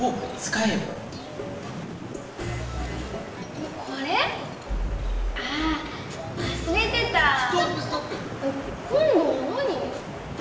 えっこんどはなに？